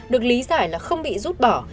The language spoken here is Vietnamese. được lý giải là không bị rút bỏ